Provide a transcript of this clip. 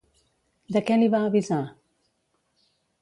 De què li va avisar?